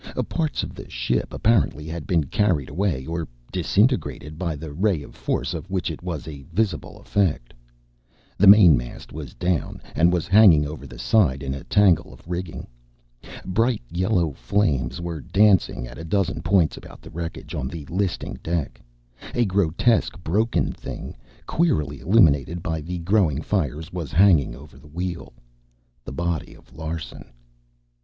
Parts of the ship apparently had been carried away or disintegrated by the ray or the force of which it was a visible effect. The mainmast was down, and was hanging over the side in a tangle of rigging. Bright yellow flames were dancing at a dozen points about the wreckage on the listing deck. A grotesque broken thing, queerly illuminated by the growing fires, was hanging over the wheel the body of Larsen.